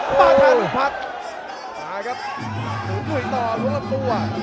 โอ้โหมาทานหนุ่มพักมาครับหนุ่มหนุ่มหนุ่มต่อร่วมตัว